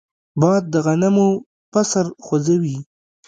باد د غنمو پسر خوځوي